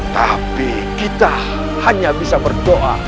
tapi kita hanya bisa berdoa